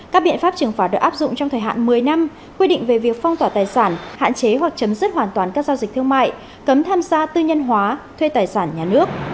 các biện pháp trừng phạt được áp dụng trong thời hạn một mươi năm quy định về việc phong tỏa tài sản hạn chế hoặc chấm dứt hoàn toàn các giao dịch thương mại cấm tham gia tư nhân hóa thuê tài sản nhà nước